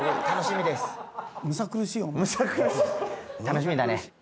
楽しみだね。